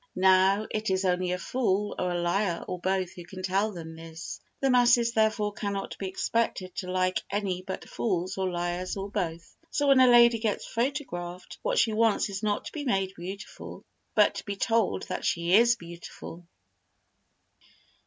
Now it is only a fool or a liar or both who can tell them this; the masses therefore cannot be expected to like any but fools or liars or both. So when a lady gets photographed, what she wants is not to be made beautiful but to be told that she is beautiful.